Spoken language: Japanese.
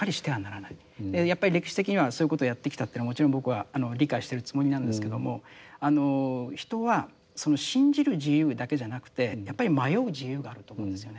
やっぱり歴史的にはそういうことをやってきたというのはもちろん僕は理解してるつもりなんですけどもあの人は信じる自由だけじゃなくてやっぱり迷う自由があると思うんですよね。